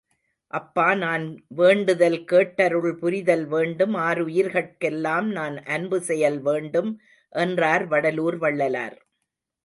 அப்பா நான் வேண்டுதல்கேட் டருள்புரிதல் வேண்டும் ஆருயிர்கட்கெல்லாம் நான் அன்பு செயல் வேண்டும் என்றார் வடலூர் வள்ளலார்.